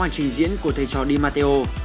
và là ó màn trình diễn của thầy trò di matteo